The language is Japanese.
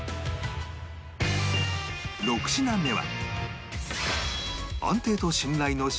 ６品目は